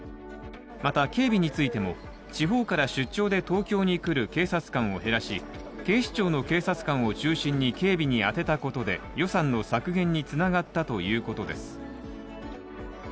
また、警備についても地方から出張で東京に来る警察官を減らし警視庁の警察官を中心に警備に当てたことで、予算の削減につながったということです。